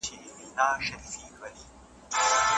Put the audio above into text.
د رباب او سارنګ له شرنګ سره دادی